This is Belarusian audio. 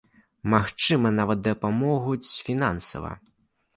Магчыма, нават дапамогуць фінансава.